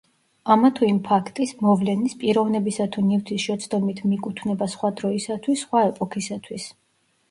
ამა თუ იმ ფაქტის, მოვლენის, პიროვნებისა თუ ნივთის შეცდომით მიკუთვნება სხვა დროისათვის, სხვა ეპოქისათვის.